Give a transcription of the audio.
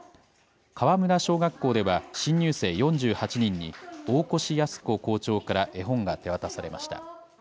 川村小学校では、新入生４８人に、大越泰子校長から絵本が手渡されました。